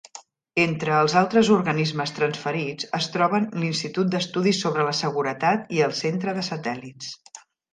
Entre els altres organismes transferits es troben l'Institut d'Estudis sobre la Seguretat i el Centre de Satèl·lits.